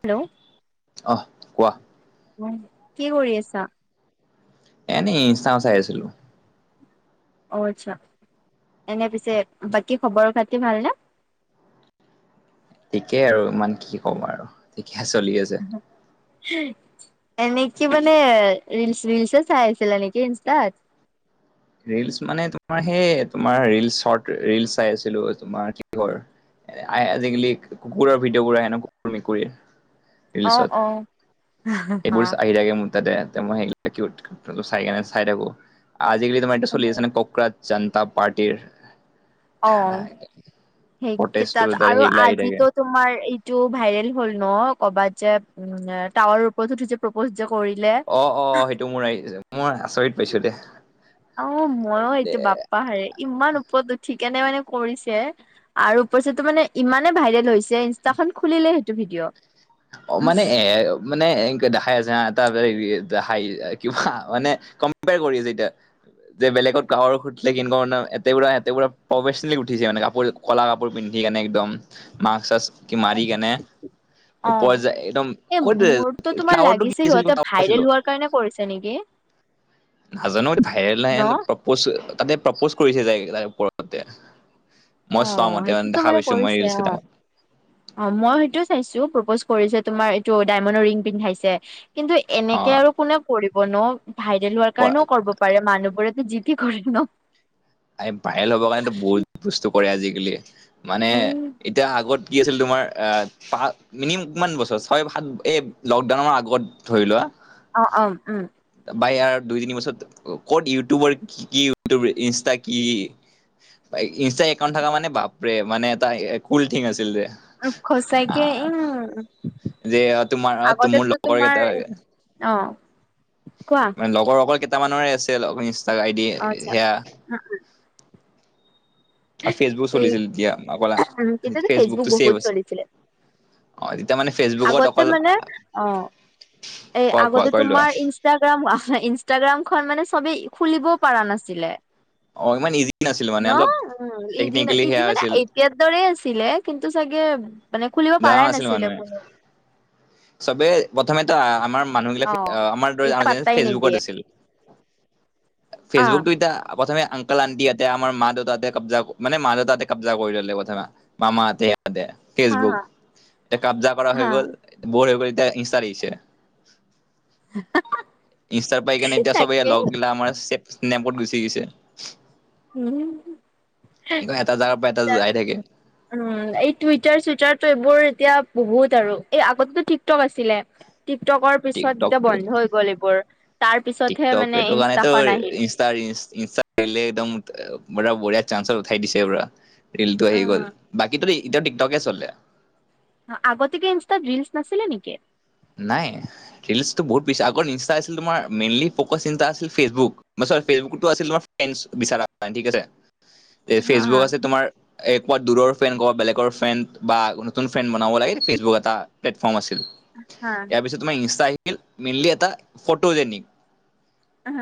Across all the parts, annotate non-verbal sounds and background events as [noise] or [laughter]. Hello অহ কোৱা? উহ কি কৰি আছা? এনেই ইনছটাগ্ৰাম চাই আছিলো। অ আচ্ছা এনে পিছে বাকী খবৰ খাতি ভালনে? [inaudible] ঠিকেই আৰু ইমান কি ক'ম আৰু। চলি আছে [unintelligible] এনেকি মানে ৰিলচ ৰিলচ চাই আছিল নেকি ইনষ্টাত ৰিলচ মানে তোমাৰ সেইয় তোমাৰ ৰিলচ শৰ্ট ৰিল চাই আছিলো তোমাৰ কি- আজিকালি কুকুৰৰ ভিতিঅ ক আহে ন কুকুৰ মেকুৰীৰ অ ৰিলচত অ হা এইবোৰ আহি থাকে মোৰ তাতে মই চাই চাই থাকো আজিকালি তোমাৰ এয়া চলি আছ নে ককৰাত জনতা পাৰ্টিৰ অ ধাই ধাই সেইকেইটাত আৰু আজিতো তোমাৰ এইটো ভাইৰেল হ'ল ন ক'বাত যে উম টাৱাৰৰ ওপৰত উঠি যে প্ৰপজ যে কৰিলে অ' অ' সেইটো মোৰ মই আচৰিত পাইছো দে। অ ময়ো এইটো বাপ্পাহাৰে ইমান ও- পট উঠি কনে মানে কৰিছে আৰু পচটো মানে ইমানে ভাইৰেল হৈছে। যে ইনষ্টাখন খুলিলে সেইটো ভিডিঅ'। অ মানে এ মানে এ দেখাই আছে তাৰ হাই, কিবা মানে কম্পেয়াৰ কৰি যে এতিয়া। যে বেলেগত গাঁৱৰ সুধিলে কিন অ অনা এতে বোৰা এতেবোৰা প্ৰফেচনেলি উঠিছে মানে কাপোৰ কলা কাপোৰ পিন্ধ- -কানে, একদম মাকছ-চাকছ মাৰি কেনে অ পায় যে একদম এ ক দেজ মোৰতো তোমাৰ টাৱাৰটো কি লাগিছে সিহঁতে ভাইৰেল [unintelligible] হোৱাৰ কাৰণে কৰিছে নেকি নাজানো ভাইৰেল ন? এণ্ড প্ৰপচ। তাতে প্ৰপ'জ কৰিছে যায়, তে ওপৰতে মই অ চোৱা মতে মানে সেইটোতো দেখা বাৰু পাইছো মই ৰিলচ কৰিছে অ, কেইটামান অ মই সেইটো চাইছো, প্ৰপজ কৰিছে তোমাৰ এইটো ডায়মণ্ডৰ ৰিং পিন্ধাইছে, কিন্তু এনেকে আৰু কোনে কৰিব ন। ভাইৰেল হোৱাৰ অ কাৰণেও কৰিব পাৰে, মানুহবোৰেতো যি টি কৰে ন। এই ভাইৰেল হ'বৰ কাৰণেতো বহুত বস্তু কৰে আজিকালি, মানে এই এতিয়া আগত কি আছিল তোমাৰ আ, পা মিনমাম কিমান বছৰ ছয়, সাত এই লকডাউনৰ আগত ধৰি লোৱা অ অ উম। বা ইয়াৰ দুই, তিনি বছৰত, ক'ত ইউটিউবৰ কি ইউটিউব ইনষ্টা কি, ইনষ্টা একাউণ্ট থকা মানে বাপৰে মানে এটা কুল ঠিং আছিল ৰে। খচাকে উম যে তোমাৰ মোৰ আগতেতো লগৰ তোমাৰ কেইটা অহ। মনে লগৰ অকল কেইটামানৰ ইনষ্টা আই ডি অ' আচ্ছা সেয়া। ফেচবুক এই, চলিছিল তেতিয়া অকল তেতিয়া ফেচবুক ফেচবুকটো ছেভ বহুত আছে চলিছিলে। অ তেতিয়া মানে ফেচবুকত আগতে মানে অকল অ' এ কোৱা কোৱা আগতে কৈ লোৱা তোমাৰ ইনষ্টাগ্ৰাম ইনষ্টাগ্ৰাম খন মানে চবেই খুলিবও পাৰা নাছিলে। অ ইমান ইজি নাছিল মানে, ন অলপ ইজি ন টেকনিকেলি ইজি সেয়া মানে আছিল এতিয়াৰ দৰে আছিলে, কিন্তু চাগে মানে খুলিব জনা পাৰাই নাছিল নাছিলে মানুহে কোনোৱে চবে প্ৰথমেটো আমাৰ অ মানুহবিলাক আমাৰ ই দৰে যে পাত্তাই নিদিয়ে ফেচবুকত আছিল। অ ফেচবুকটো এতিয়া প্ৰথমে আংকাল আন্টিহঁতে, আমাৰ মা-দেউতাহঁত কব্জা, মানে মা-দেউতাহঁতে কব্জা কৰি ল'লে প্ৰথমে, মামাহঁতে দে, হা ফেচবুক হা এয়া কাব্জা কৰা হৈ হা গ'ল। বৰ হৈ গ'ল, এতিয়া ইষ্টাট আহিৰিছে। ইষ্টাৰ পাই কেনে ঠিক এতিয়া চবেই থাকে লগ গিলা আমাৰ নেমপত গুচি গৈছে, উম এটা জাগাৰ পৰা এটা যায় থাকে। উম' এই টুইটাৰ-চুইটাৰটো এইবোৰ এতিয়া বহুত আৰু, এই আগতেতো টিক-টক আছিলে। টিক-টক ৰ পিছত এতিয়া টিকটকটো বন্ধ হৈ গ'ল এইবোৰ। তাৰ পিছতহে টিক-টক মানে এইটো কনেটো ইনষ্টাখন আহিল ইনষ্টা ইনষ্টা ৰিলে একদম পোৰা বঢ়িয়া চান্সত উঠাই দিছে পোৰা, ৰিল টো আহি গ'ল, উম বাকী ততি এতিয়া টিক-টকে চলে। আগতে কি ইনষ্টাত ৰিলচ নাছিলে নেকি? নাই ৰিলচটো বহুত পিছ আগত ইনষ্টা আছিল তোমাৰ মেইনলি পক চিন্তা আছিল ফেচবুক। চৰ ফেচবুক টো আছিল তোমাৰ, ফ্ৰেনচ বিচাৰা কাৰ ঠিক আছে, হা হা ফেচবুক আছে তোমাৰ এ কুৱাত দূৰৰ ফ্ৰেণ্ড ক বেলেগৰ ফেণ্ড বা নতুন ফ্ৰেণ্ড বনাব লাগে ফেচবুক এটা প্লেটফৰ্ম আছিল। ইয়াৰ পিছত তোমাৰ ইনষ্টা আহিল, মেইনলি এটা ফটো যেনিক।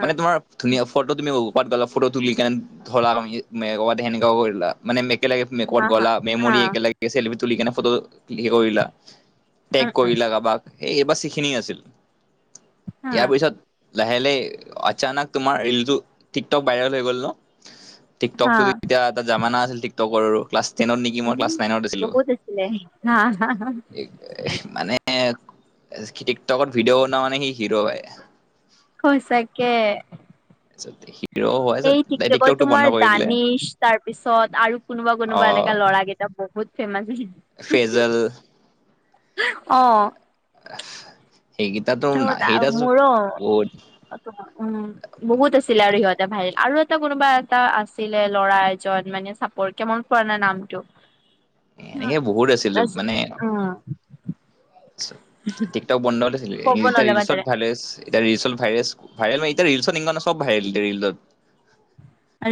মানে তোমাৰ ধুনীয়া ফটো তুমি [unintelligible] গলা ফটো তুলি কেন ধৰা, [unintelligible] মানে একেলগে মে ক'ৰবাত গ'লা মেমৰি একেলগে চেলিফি তুলি কিনে ফটো হে কৰিলা, টেগ উ কৰিলা কাবাক, এই বাচ সিখিনিয়ে আছিল। ইয়াৰ পিছত। লাহে লাহে আচানক তোমাৰ ৰিলটো টিকটক বাইৰেল হৈ গল ন! টিকটকো এতিয়া এটা জামানা আছিল টিকটকৰো ক্লাছ টেনত নিকি মই উম ক্লাছ নাইনত আছিলো, বহুত আছিলে হা এ মানে এ খিটিকটকত ভিডিঅ' বনোৱা মানে সি হিৰ' এ। কয়ছাকে। হিৰ' হয় এই টিকটকত টিকটকটো বন্ধ তোমাৰ কৰি দিলে দানিছ তাৰ পিছত আৰু কোনোবা অ কোনোবা। এনেকা ল'ৰাগেইটা বহুত ফেমাজি ফেজল উমহো অঁ। সেইকেইটাতো ত না দা সেইকেইটা মোৰ বহুত উম বহুত আছিলে আৰু সিহঁতে ভাৰেল। আৰু এটা কোনোবা এটা আছিলে লৰা এজন মানে চাপৰ কে মন পোৱা নাই নামটো। ন এনেকে বহুত আছিলো দছ মানে অঁ। টিকটক বন্ধ লৈছিলো ইতা নলগা ৰিলচত তাৰে ভালে আছে। এতিয়া ৰিলচত ভাইৰেচ ভাইৰেল ন এতিয়া ৰিলচত ইনকানা চব ভাইৰেল এতিয়া ৰিলদত।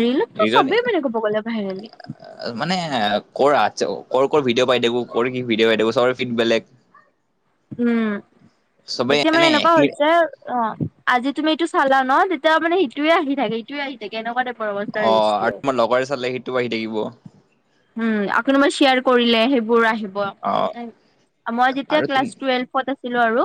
ৰিলত এইজনী চবেই মানে ক'ব গ'লে ভাইৰেল মানে কৰা। কৰ কৰে ভিডিঅ' পাই থাকো কৰ কি ভিডিঅ' পাই থাকো চৰে ফিড বেলেগ। উম চবেই এতিয়া মানে এনে এক এনেকুৱা মিনিট হৈছে অঁ আজি তুমি এইটো চালা ন তেতিয়া মানে সিটোয়ে আহি থাকে ইটোয়ে আহি থাকে এনেুকোৱা তাইপ। অ আৰু তোমাৰ লগৰে চালে সেইটো আহি থাকিব। উম আকোনোমাৰ শ্বিয়াৰ কৰিলে সেইবোৰ আহিব। অ মই‌ যেতিয়া আৰু ক্লাছ তুমি টুৱেফট আছিলো আৰু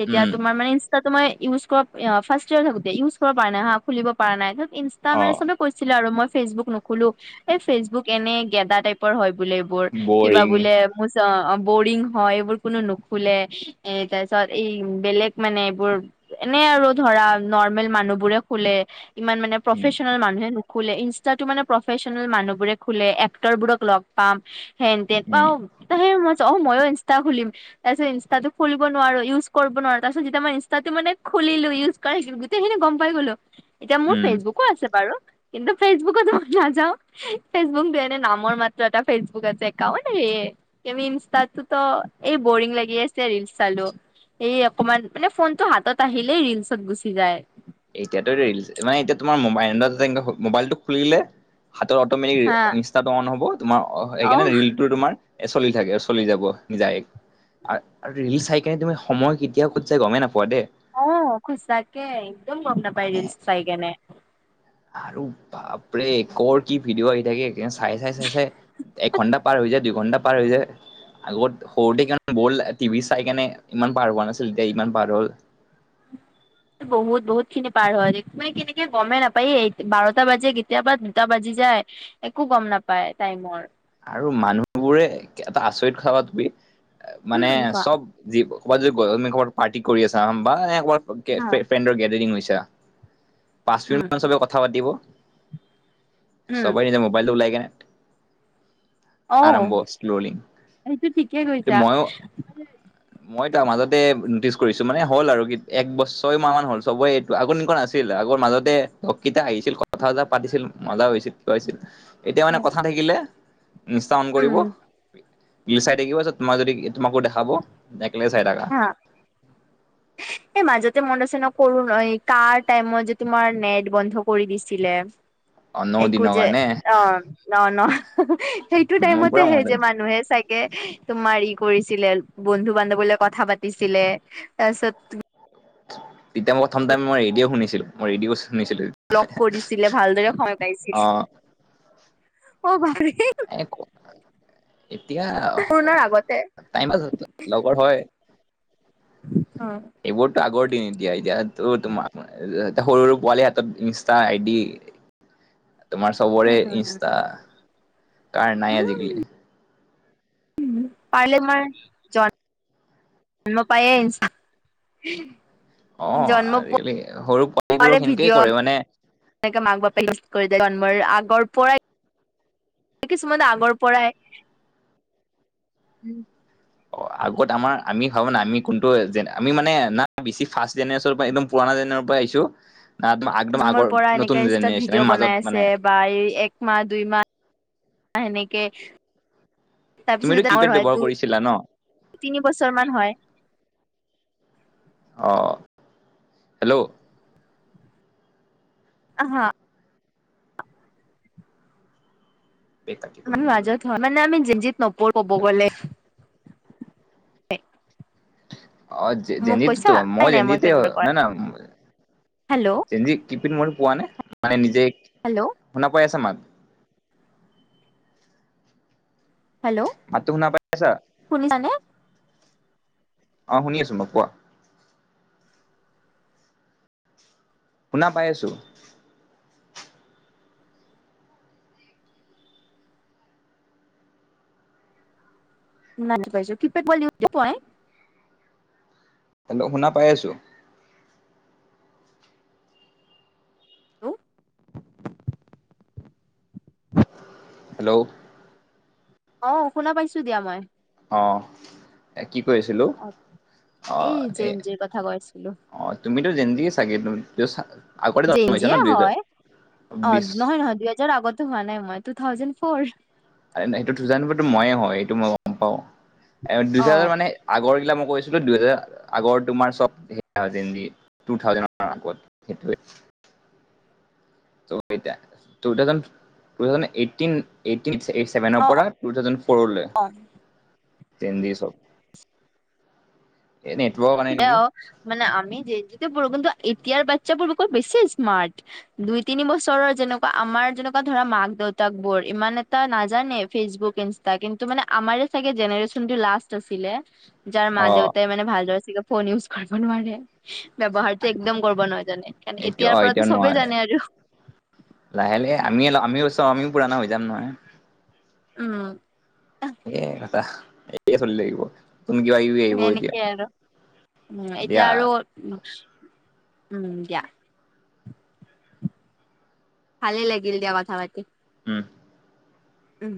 তেতিয়া উম তুমাৰ মানে ইনষ্টাতো মানে ইউজ কৰ অ ফাষ্টিয়াৰ থাকোতে ইউজ কৰিব পৰা নাই হা খুলিব পৰা নাই। ইনষ্টা অ মানে চবে কৈছিলে আৰু মই ফেচবুক নুখোলো এ ফেচবুক এনে গেদা টাইপৰ হয়। বোলে এইবোৰ কিবা বৰিং বোলে মোচ অঁ বৰিং হয় এইবোৰ কোনো নুখোলে এ তা পিছত এই বেলেগ মানে এইবোৰ। এনে আৰু ধৰা নৰ্মেল মানুহ বোৰে খোলে। ইমান মানে উম প্ৰফেচনেল মানুহে নুখোলে ইনষ্টাটো মানে প্ৰফেচনেল মানুহবোৰে খোলে। তৰবোৰক লগ পাম সেনতে উম বাও এসে ময়। অ ময়ো ইনষ্টা খুলিম তাপিছত ইনষ্টাটো খুলিব নোৱাৰো ইউজ কৰিব নোৱাৰো তাপিছত যেতিয়া মই ইনষ্টাটো মানে খু জ খুলিলো ইউজ কৰাই সিকিলো গোটেইখিনি গম পাই গলো। এতিয়া মোৰ উম ফেচবুকো আছে বাৰু কিন্তু ফেচবুকত ময় নাযাও ফেচবুক দেট নামৰ মাত্ৰ এটা ফেচবুক আছে একাউন্ট সেয়ে এমি ইনষ্টাটোট এই বৰিং লাগি আছে। ছে ৰিলচ চালো সেই অকমান মানে ফোনটো হাতত আহিলেই ৰিলচত গুচি যায়। এতিয়াতো ৰিলচ মানে এতিয়া তোমাৰ মাইণ্ডত এনেকে মোবাইলটো খুলিলে হাতৰ হা অটমেটিক ইনষ্টাটো অন হব তোমাৰ অ এইকাণে ৰিলটো তোমাৰ এ চলি থাকে চলি যাব যায়। আৰ ৰিল চাই কিনে তুমি সময় কেতিয়া ক'ত যাই গমেই নাপোৱা দেই। অ খোজ তাকে একদম গম নাপাই মানে ৰিলচ চাই কেনে। আৰু বাপৰে কৰ কি ভিডিঅ' আহি থাকে কে চাই চাই চাই চাই। একঘণ্টা পাৰ হৈ যায় দুইঘণ্টা পাৰ হৈ যায়। আগত সৰুতে কিমান ব'ল টিভি চাই কেনে ইমান পাৰ হোৱা নাছিল এতিয়া ইমান পাৰ হ'ল। [inaudible] বহুত বহুত খিনি পাৰ হয় মানে কেনেকে গমে নাপায় এই বাৰটা বাজে কেতিয়াবা দুটা বাজে যায় একো গম নাপায় টাইমৰ। আৰু মানুহবোৰে এটা আচৰিত খাবা তুমি মানে উম কোৱা চব জীৱ কবাত যদি ব ঘত পাৰ্টি কৰি আছা বা এনেকে হা কবাত পেণ্ডৰ গেডাৰিং হৈছা পাঁচ উম মিনিট মান চবে কথা পাতিব। উম চবেই নিজে মোবাইলটো ওলাই কেনে অ আৰম্ভ স্ললি সেইটো ঠিকে এ কৈছা মইও মই তাৰ মাজত। নটিচ কৰিছো মানে হ'ল আৰু এক বছ ছয় মাহ মান হ'ল চবে এইটো আগত এনেকুৱা নাছিল আগৰ মাজতে লগ কিটা আহিছিল কথা পাতিছিল মজাও হৈছিল ক হৈছিল। এতিয়া মানে কথা থাকিলে ইষ্ঠা অন কৰিব। উম ৰিল চাই থাকিব তোমাক যদি তোমাকো দেখাব একেলগে চাই থাকা হা এই মাজতে মনত আছে ন কৰো ন কাৰ টাইমত যে তোমাৰ নেট বন্ধ কৰি দিছিলে। অ ন একো দিনৰ যে কাৰণে অ ন ন সেইটো মোৰ টাইমতে পুৰা হে মনত যে মানুহে চাগে তোমাৰ ই কৰিছিলে বন্ধু বান্ধবলৈ কথা পাতিছিলে তাৰপিছত তেতিয়া মই প্ৰথম টাইম মই ৰেডিঅ' শুনিছিলো মই ৰেডিঅ' শুনিছিলো লগ কৰিছিলে ভালদৰে সময় পাইছিল অ অ বাপ ৰে ক এতিয়া পূৰ্ণৰ আগতে টাইমত লগৰ হয় [unintelligible] এইবোৰত আগৰ দিন এতিয়া এতিয়া তো তোমাৰ এ সৰু সৰু পোৱালি হাতত ইনষ্টা আইডি তোমাৰ চবৰে ইনষ্টা কাৰ নাই আজিকালি পাৰিলে তোমাৰ জন মই পাইয়ে আহিছো অ আজিকালি সৰু পোৱাৰে পোৱালীবোৰক সেনেকেই ভিডিঅ' কৰে মানে এনেকে মাক বাপেক কৰি জন্মৰ আগৰ পৰাই কিছুমানে আগৰ পৰাই উ অ' আগত আমাৰ আমি ভাবো নাই আমি কোনটো যেনে আমি মানে না বেছি ফাৰ্ষ্ট জেনেৰেশ্যনৰ পৰা একদম পুৰণা জেনেৰেচন পৰাই পাইছো জন্মৰ পৰা এনেকে ইনষ্টাত ভিডিঅ' আমি মাজত বনাই মানে আছে বা এই একমাহ দুই মাহ তোমাৰ সেনেকে তাৰপিছত তুমিতো যদি কিপেড আমাৰ হয় ব্যৱহাৰ দু কৰিছিলা ন তিনি বছৰ মান হয় অ হেল্ল' আহা বে কাটি কৰি আমি নিদিবি। মাজত হয় মানে আমি জেনজিত নপৰো ক'ব গ'লে [unintelligible] অ মোক যেনজিত কৈছা নাই মই নাই যেনজিতে পেট হয় ন কৰা না হেল্ল' যেনজি কিপিন মোৰ পোৱা নাই মানে নিজে হেল্ল' শুনা পাই আছা মাত হেল্ল' মাতটো শুনা পাই আছা? শুনিছানে অ শুনি আছো মোক কোৱা। শুনা পাই আছো। শুনা পাইছো কি পেট [unintelligible] হেল্ল' শুনা পাই আছো। হেল্ল' অ শুনা পাইছো দিয়া মই অ কি কৰিছিলো অ অ জে এই এন জিৰ কথা কৈ আছিলো অ তুমি তো জেঞ্জি চাগে তুমিতো জেঞ্জীয়ে হয় অ বিশ নহয় নহয় দুই হেজাৰ আগতো হোৱা নাই মই টু থাউজণ্ড ফ'ৰ ন সেইটো টু থাউজেণ্ড মইয়ে হয় এইটো মই গম পাওঁ টু অ থাউজেণ্ড মানে আগৰগিলা মোক কৈছিলো দুই হেজাৰ আগৰ তোমাৰ হে চব গেঞ্জী টু থাউজেণ্ডত আৰম্ভ হৈছিল [inaudible] বহু কেইটা টু থাউজেণ্ড এইতিন এইতিন এইট ছেভেনৰ অ পৰা টু থাউজেণ্ড ফৰলৈ জেঞ্জী চব এই নেটৱৰ্কৰ কাৰণে কিবা নেকি অ মানে আমি যে এতিয়াৰবোৰ কিন্তু এতিয়াৰ বাচ্ছাবোৰ বেছি স্মাৰ্ট দুই তিনি বছৰৰ যেনেকোৱা আমাৰ যেনেকোৱা আ ধৰা মাক - দেউতাক বোৰ ইমান এটা নাজানে ফেচবুক, ইনষ্টা কিন্তু মানে আমাৰে চাগে জেনেৰেচন সেইটো লাষ্ট আছিলে, যাৰ মা অ - দেউতাই মানে ভালদৰে চি ক ফোন ইউজ কৰিব নোৱাৰে। ব্যৱহাৰটো একদম গৰ্বৰ নহয় তেনে কাৰণ এইটো এতিয়াৰ অ পৰাতো এতিয়া সবেই নোৱাৰে জানে আৰু। লাহে লাহে আমিয়ে লা আমি চ আমিও পুৰাণা হৈ যাম নহয়। উম। এ কথা একে চলি লাগিব। তুমি কিবা ইউ আহিব এতিয়া সেনেকে আৰু। উম দিয়া এতিয়া আৰু উম, দিয়া। ভালে লাগিল দিয়া কথা পাতি। উম। উম।